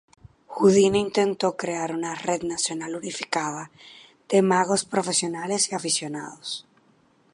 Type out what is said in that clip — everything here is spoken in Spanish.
Houdini intentó crear una red nacional unificada, de magos profesionales y aficionados.